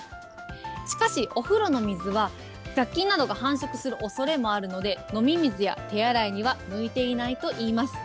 しかし、お風呂の水は雑菌などが繁殖するおそれもあるので、飲み水や手洗いには向いていないといいます。